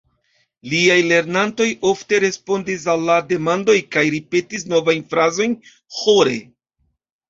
Liaj lernantoj ofte respondis al la demandoj kaj ripetis novajn frazojn ĥore.